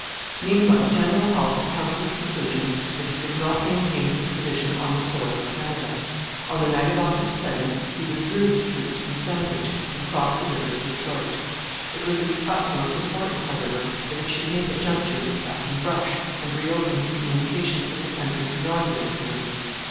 Meanwhile General Hull had come to the conclusion that he could not maintain his position on the soil of Canada. On the night of August 7 he withdrew his troops from Sandwich and crossed the river to Detroit. It was of the utmost importance, however, that he should make a juncture with Captain Brush and reopen his communications with the country beyond Lake Erie.